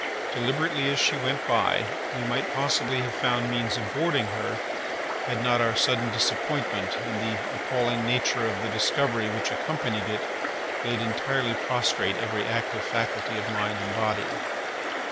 Deliberately as she went by, we might possibly have found means of boarding her, had not our sudden disappointment and the appalling nature of the discovery which accompanied it laid entirely prostrate every active faculty of mind and body.